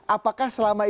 apakah selama ini